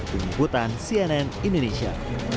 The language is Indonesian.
dari kutiputan cnn indonesia